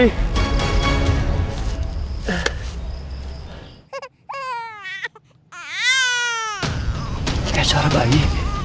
ini kan suara bayi